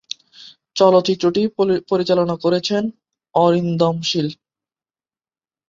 চলচ্চিত্রটি পরিচালনা করেছেন অরিন্দম শীল।